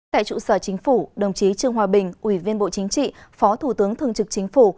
tại trụ sở chính phủ đồng chí trương hòa bình ủy viên bộ chính trị phó thủ tướng thường trực chính phủ